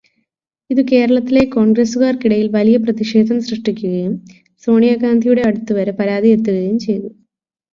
ഇതു കേരളത്തിലെ കോൺഗ്രസുകാർക്കിടയിൽ വലിയ പ്രതിഷേധം സൃഷ്ടിക്കുകയും സോണിയഗാന്ധിയുടെ അടുത്തുവരെ പരാതി എത്തുകയും ചെയ്തു.